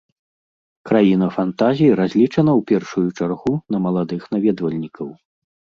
Краіна фантазій разлічана ў першую чаргу на маладых наведвальнікаў.